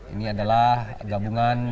ini adalah gabungan